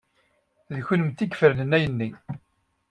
D kennemti ay ifernen ayenni.